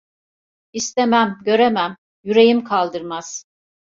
İstemem… Göremem… Yüreğim kaldırmaz.